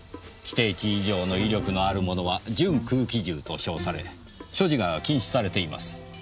規定値以上の威力のあるものは「準空気銃」と称され所持が禁止されています。